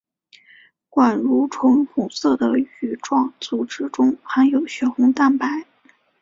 管蠕虫红色的羽状组织中含有血红蛋白。